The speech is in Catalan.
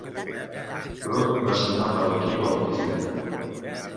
Routt va signar per l'equip el mateix dia.